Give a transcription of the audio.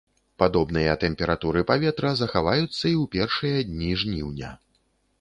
Падобныя тэмпературы паветра захаваюцца і ў першыя дні жніўня.